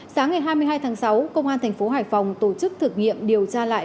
sáng ngày hai mươi hai tháng sáu công an tp hải phòng tổ chức thực nghiệm điều tra lại